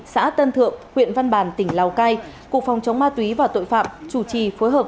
xã tân thượng huyện văn bàn tỉnh lào cai cục phòng chống ma túy và tội phạm chủ trì phối hợp